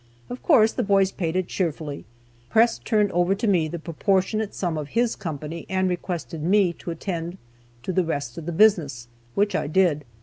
Of course the boys paid it cheerfully. Press turned over to me the proportionate sum of his company, and requested me to attend to the rest of the business, which I did.